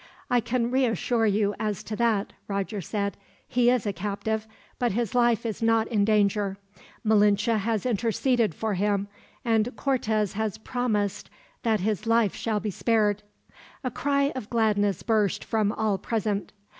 "I can reassure you as to that," Roger said. "He is a captive, but his life is not in danger. Malinche has interceded for him, and Cortez has promised that his life shall be spared." A cry of gladness burst from all present.